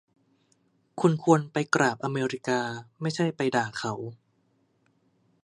คุณควรไปกราบอเมริกา ไม่ใช่ไปด่าเขา